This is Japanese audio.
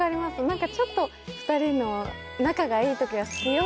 何かちょっと２人の仲がいい時は「好きよ」